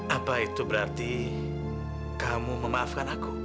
apa itu berarti kamu memaafkan aku